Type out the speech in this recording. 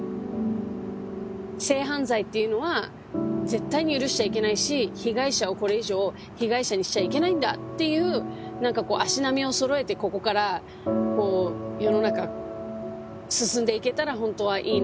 性犯罪っていうのは絶対に許しちゃいけないし被害者をこれ以上被害者にしちゃいけないんだっていうなんかこう足並みをそろえてここからこう世の中進んでいけたらほんとはいいなってすごい思います。